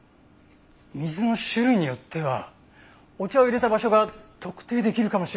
水の種類によってはお茶を淹れた場所が特定できるかもしれませんね。